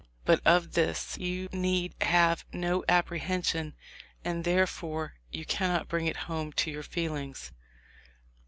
But of this you need have no apprehen sion, and therefore you cannot bring it home to your feelings."